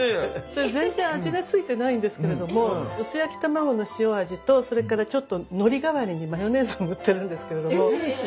それ全然味がついてないんですけれども薄焼き卵の塩味とそれからちょっとのり代わりにマヨネーズを塗ってるんですけれどもそうそれだけです。